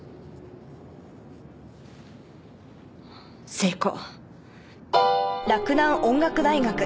成功。